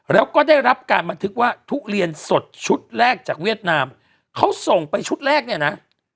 แล้วก็ได้รับการบันทึกว่าทุเรียนสดชุดแรกจากเวียดนามเขาส่งไปชุดแรกเนี่ยนะ